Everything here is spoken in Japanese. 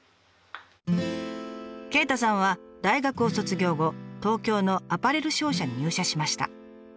鯨太さんは大学を卒業後東京のアパレル商社に入社しました。